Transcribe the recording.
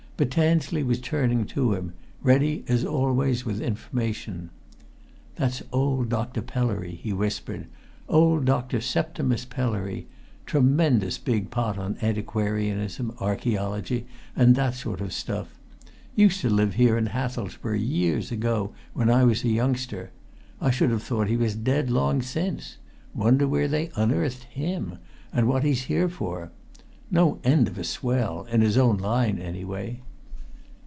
But Tansley was turning to him, ready as always with information. "That's old Dr. Pellery," he whispered. "Old Dr. Septimus Pellery. Tremendous big pot on antiquarianism, archæology, and that sort of stuff. Used to live here in Hathelsborough, years ago, when I was a youngster. I should have thought he was dead, long since! Wonder where they unearthed him, and what he's here for? No end of a swell, in his own line anyway."